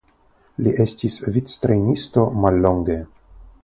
Li estis victrejnisto mallonge.